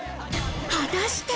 果たして。